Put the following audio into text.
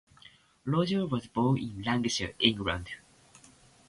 Rogers was born in Lancashire, England.